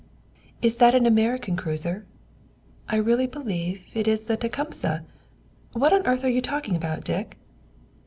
"Is that an American cruiser? I really believe it is the Tecumseh. What on earth were you talking about, Dick?"